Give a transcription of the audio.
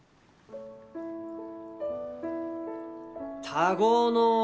「田子の浦」。